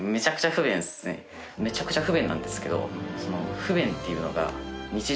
めちゃくちゃ不便なんですけど。